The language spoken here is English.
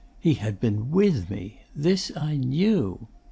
'He had been with me. This I knew.